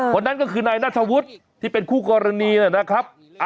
คนนั้นก็คือนายนัทวุฒิที่เป็นคู่กรณีนะครับ